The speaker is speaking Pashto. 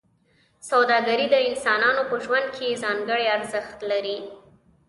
سوداګري د انسانانو په ژوند کې ځانګړی ارزښت لري.